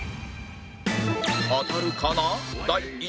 当たるかな？